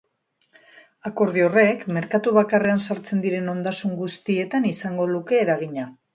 Akordio horrek merkatu bakarrean sartzen diren ondasun guztietan izango luke eragina.